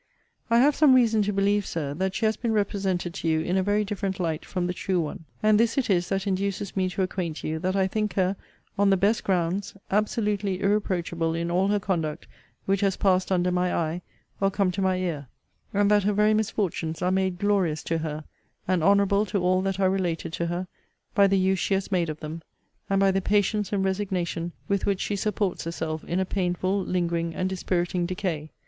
I have some reason to believe, Sir, that she has been represented to you in a very different light from the true one. And this it is that induces me to acquaint you, that I think her, on the best grounds, absolutely irreproachable in all her conduct which has passed under my eye, or come to my ear; and that her very misfortunes are made glorious to her, and honourable to all that are related to her, by the use she has made of them; and by the patience and resignation with which she supports herself in a painful, lingering, and dispiriting decay!